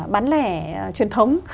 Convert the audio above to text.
bán lẻ truyền thống